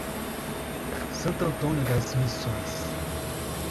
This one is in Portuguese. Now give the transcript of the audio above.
Santo Antônio das Missões